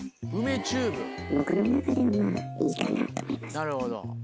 なるほど。